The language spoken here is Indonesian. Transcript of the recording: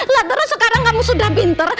lalu sekarang kamu sudah pinter